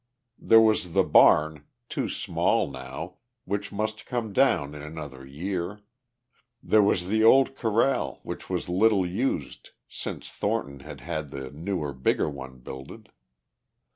There was the barn, too small now, which must come down in another year; there was the old corral which was little used since Thornton had had the newer, bigger one builded.